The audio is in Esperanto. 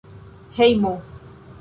hejmo